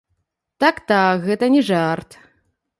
Так-так, гэта не жарт.